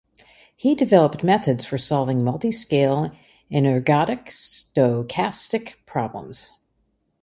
He developed methods for solving multiscale and ergodic stochastic problems.